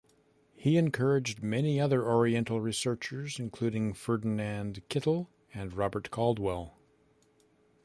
He encouraged many other oriental researchers including Ferdinand Kittel and Robert Caldwell.